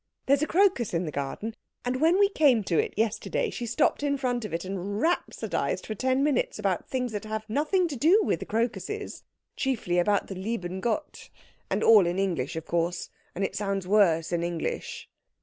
There's a crocus in the garden, and when we came to it yesterday she stopped in front of it and rhapsodised for ten minutes about things that have nothing to do with crocuses chiefly about the lieben Gott. And all in English, of course, and it sounds worse in English."